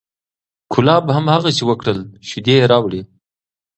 کلاب هماغسې وکړل، شیدې یې راوړې،